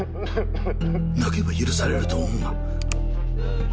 「泣けば許されると思うな！」